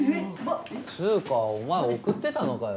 つぅかお前送ってたのかよ。